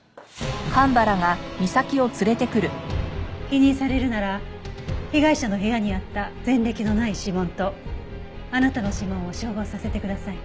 否認されるなら被害者の部屋にあった前歴のない指紋とあなたの指紋を照合させてください。